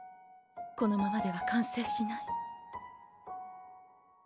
このままでは完成しない。